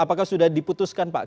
apakah sudah diputuskan pak